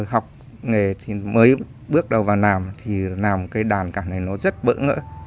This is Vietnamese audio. học nghề thì mới bước đầu vào làm thì làm cái đàn cảm thấy nó rất bỡ ngỡ